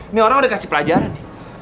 ini orang udah kasih pelajaran nih